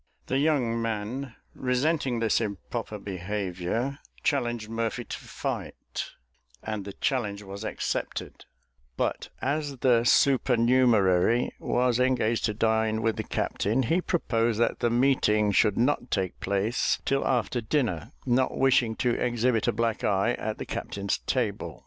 The young man, resenting this improper behaviour, challenged Murphy to fight, and the challenge was accepted; but as the supernumerary was engaged to dine with the captain, he proposed that the meeting should not take place till after dinner, not wishing to exhibit a black eye at the captain's table.